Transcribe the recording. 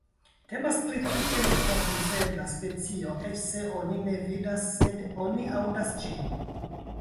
Temas pri tute nekonfuzebla specio, eĉ se oni ne vidas sed oni aŭdas ĝin.